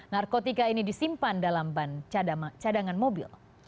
narkotika ini disimpan dalam ban cadangan mobil